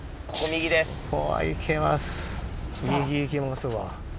右行けますわ。